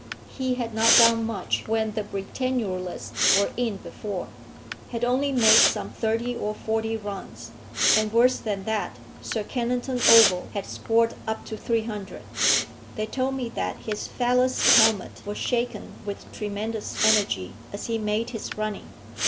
He had not done much when the Britannulists were in before, had only made some thirty or forty runs; and, worse than that, Sir Kennington Oval had scored up to 300. They told me that his Pallas helmet was shaken with tremendous energy as he made his running.